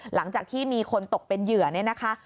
หลังจากที่มีคนตกเป็นเหยื่อเนี่ยนะคะ